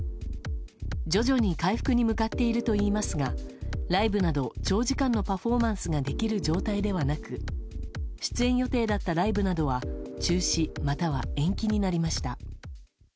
徐々に回復に向かっているといいますがライブなど長時間のパフォーマンスができる状態ではなく出演予定だったライブなどは中止または延期になりました。